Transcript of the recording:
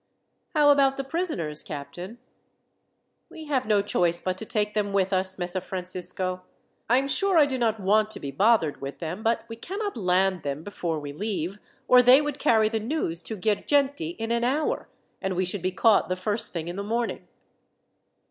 "How about the prisoners, captain?" "We have no choice but to take them with us, Messer Francisco. I am sure I do not want to be bothered with them, but we cannot land them before we leave, or they would carry the news to Girgenti in an hour, and we should be caught the first thing in the morning."